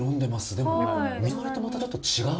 でも水割りとまたちょっと違う。